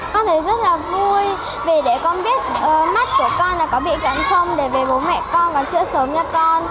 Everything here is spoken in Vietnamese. con thấy rất là vui vì để con biết mắt của con là có bị cận không để về bố mẹ con còn chữa sớm nha con